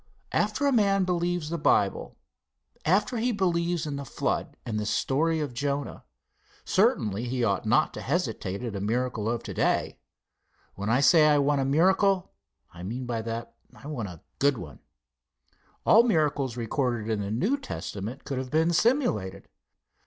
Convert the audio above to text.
After a man believes the Bible, after he believes in the flood and in the story of Jonah, certainly he ought not to hesitate at a miracle of to day. When I say I want a miracle, I mean by that, I want a good one. All the miracles recorded in the New Testament could have been simulated.